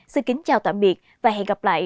xin kính chào tạm biệt và hẹn gặp lại